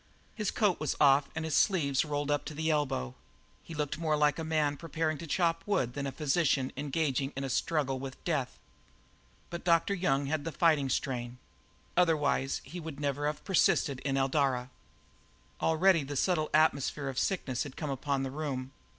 His coat was off and his sleeves rolled up to the elbow; he looked more like a man preparing to chop wood than a physician engaging in a struggle with death; but Dr. Young had the fighting strain. Otherwise he would never have persisted in Eldara. Already the subtle atmosphere of sickness had come upon the room.